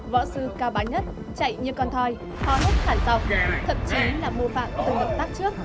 võ sư cao bá nhất chạy như con thoi ho hút khả dọc thậm chí là mô phạm từng động tác trước